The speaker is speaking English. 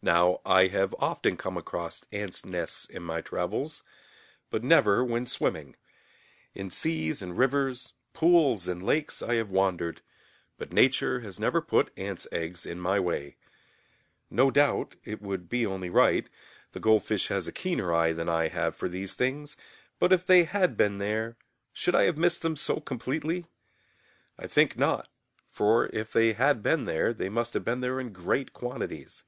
Now I have often come across ants' nests in my travels, but never when swimming. In seas and rivers, pools and lakes, I have wandered, but Nature has never put ants' eggs in my way. No doubtŌĆöit would be only right the goldfish has a keener eye than I have for these things, but if they had been there, should I have missed them so completely? I think not, for if they had been there, they must have been there in great quantities.